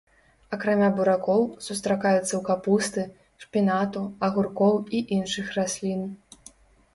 Акрамя буракоў, сустракаецца ў капусты, шпінату, агуркоў і іншых раслін.